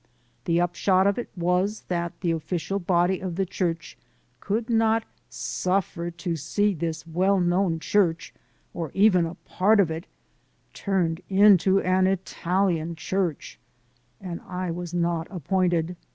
The upshot of it was that the official body of the church could not "suffer to see this well known church, or even a part of it, turned into an Italian church," and I was not ap pointed.